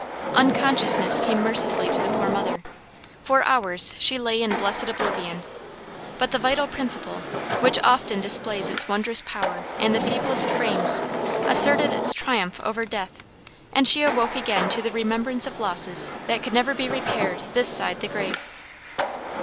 Unconsciousness came mercifully to the poor mother. For hours she lay in blessed oblivion. But the vital principle, which often displays its wondrous power in the feeblest frames, asserted its triumph over death, and she awoke again to the remembrance of losses that could never be repaired this side the grave.